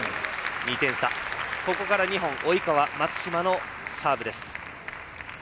ここから２本及川、松島のサーブです。